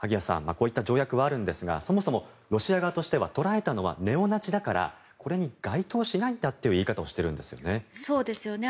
こういった条約はあるんですがそもそもロシア側としては捕らえたのはネオナチだからこれに該当しないんだという言い方をしているんですよね。